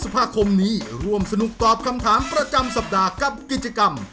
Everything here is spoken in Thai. ภาคมนี้ร่วมสนุกตอบคำถามประจำสัปดาห์กับกิจกรรม